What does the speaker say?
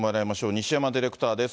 西山ディレクターです。